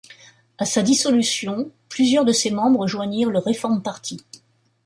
À sa dissolution, plusieurs de ses membres joignirent le Reform Party.